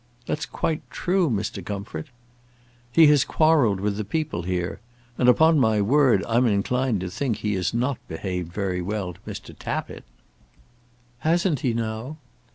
"That's quite true, Mr. Comfort." "He has quarrelled with the people here. And upon my word I'm inclined to think he has not behaved very well to Mr. Tappitt." "Hasn't he, now?"